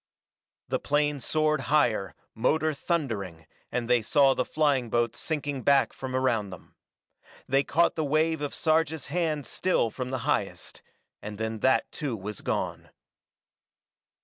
The plane soared higher, motor thundering, and they saw the flying boats sinking back from around them. They caught the wave of Sarja's hand still from the highest, and then that, too, was gone.